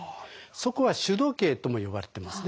そこは主時計とも呼ばれてますね。